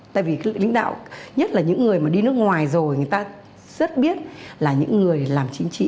tại vì lãnh đạo nhất là những người mà đi nước ngoài rồi người ta rất biết là những người làm chính trị